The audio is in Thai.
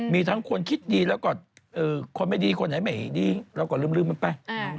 มีทั้งคนคิดดีแล้วก็คนไม่ดีคนไหนไม่ดีเราก็ลืมมันไป